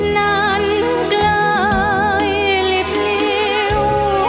นั้นใกล้ลิบลิว